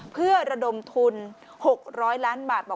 เพื่อระดมทุน๖๐๐ล้านบาท